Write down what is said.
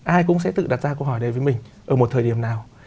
ai cũng sẽ tự đặt ra câu hỏi này với mình ở một thời điểm nào